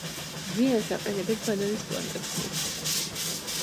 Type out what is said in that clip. ზიანს აყენებენ ბანანის პლანტაციებს.